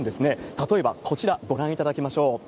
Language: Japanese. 例えばこちら、ご覧いただきましょう。